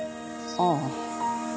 ああ。